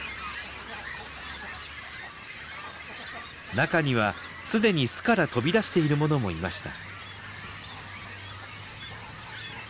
中にはすでに巣から飛び出しているものもいました。